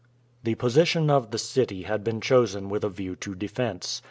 The position of the city had been chosen with a view to defense.